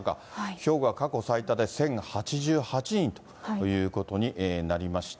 兵庫が過去最多で１０８８人ということになりました。